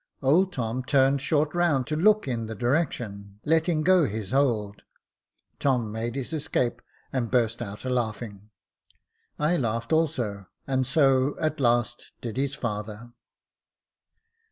Old Tom turned short round to look in the direction, letting go his hold. Tom made his escape, and burst out a laughing. I laughed also, and so at last did his father.